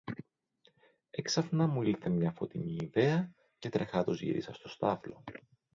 Έξαφνα μου ήλθε μια φωτεινή ιδέα, και τρεχάτος γύρισα στο στάβλο